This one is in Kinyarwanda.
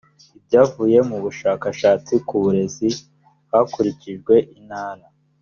ibyavuye mu bushakashatsi ku burezi hakurikijwe intara